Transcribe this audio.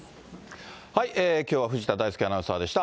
きょうは藤田大介アナウンサーでした。